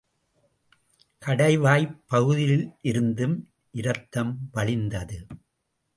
கடைவாய்ப் பகுதியிலிருந்தும் இரத்தம் வழிந்தது.